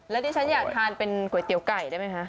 แล้วดิฉันอยากทานเป็นก๋วยเตี๋ยวไก่ได้ไหมคะ